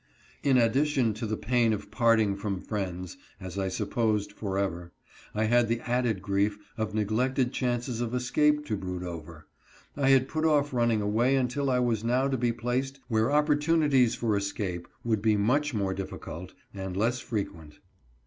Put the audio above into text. In addition to the pain of parting from friends, as I supposed, forever, I had the added grief of neglected chances of escape to brood over. I had put off running AT ST. MICHAELS AGAIN. 125 away until I was now to be placed where opportunities for escape would be much more difficult, and less frequent.